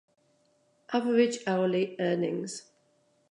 Average hourly earnings.